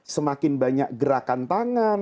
semakin banyak gerakan tangan